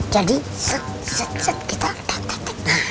jadi set set set kita tak tak tak